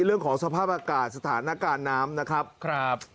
เรื่องของสภาพอากาศสถานการณ์น้ำนะครับ